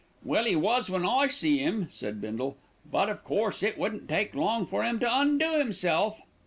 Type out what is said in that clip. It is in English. "Well, 'e was when I see 'im," said Bindle, "but of course it wouldn't take long for 'im to undo 'imself."